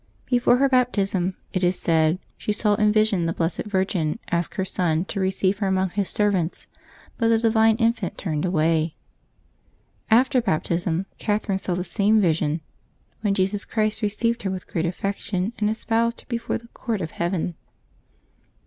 Before her Baptism, it is said, she saw in vision the Blessed Virgin ask her Son to receive her among His servants, but the Divine Infant turned slwslj. After Baptism, Catherine saw the same vision, when Jesus Christ received her with great affection, and espoused her before the court of heaven.